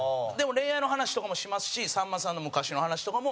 恋愛の話とかもしますしさんまさんの昔の話とかも。